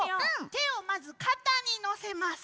てをまずかたにのせます。